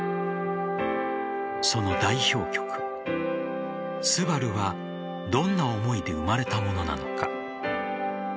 その代表曲「昴」はどんな思いで生まれたものなのか。